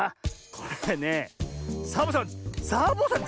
これねサボさんサボさん